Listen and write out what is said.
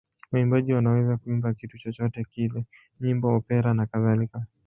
Waimbaji wanaweza kuimba kitu chochote kile: nyimbo, opera nakadhalika.